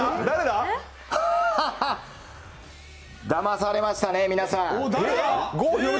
ハッハハ、だまされましたね、皆さん。